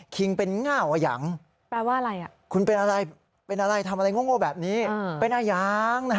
คิงเป็นง่าวอย่างคุณเป็นอะไรทำอะไรง่วงโง่แบบนี้เป็นอย่าง